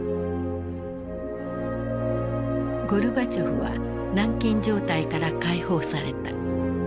ゴルバチョフは軟禁状態から解放された。